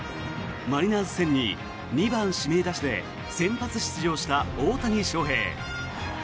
マリナーズ戦に２番指名打者で先発出場した大谷翔平。